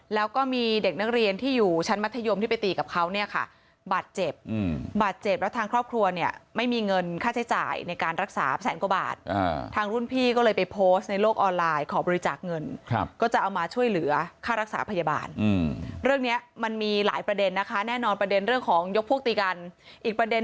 แล้วก็มีเด็กนักเรียนที่อยู่ชั้นมัธยมที่ไปตีกับเขาเนี่ยค่ะบาดเจ็บบาดเจ็บแล้วทางครอบครัวเนี่ยไม่มีเงินค่าใช้จ่ายในการรักษาแสนกว่าบาททางรุ่นพี่ก็เลยไปโพสต์ในโลกออนไลน์ขอบริจาคเงินก็จะเอามาช่วยเหลือค่ารักษาพยาบาลเรื่องนี้มันมีหลายประเด็นนะคะแน่นอนประเด็นเรื่องของยกพวกตีกันอีกประเด็น